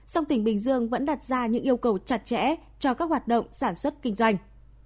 song tỉnh bình dương vẫn đặt ra những yêu cầu chặt chẽ cho các hoạt động sản xuất kinh doanh